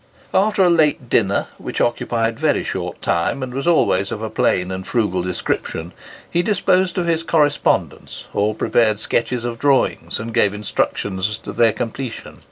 After a late dinner, which occupied very short time and was always of a plain and frugal description, he disposed of his correspondence, or prepared sketches of drawings, and gave instructions as to their completion.